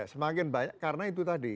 semakin banyak karena itu tadi